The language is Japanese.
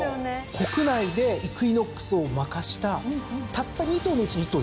国内でイクイノックスを負かしたたった２頭のうちの１頭ですからね。